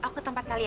siapa tadi ya